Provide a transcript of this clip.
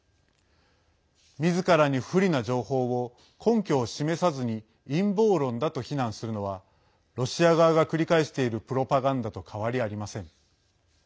みずからに不利な情報を根拠を示さずに陰謀論だと非難するのはロシア側が繰り返しているプロパガンダと変わりありません。